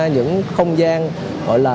những không gian gọi là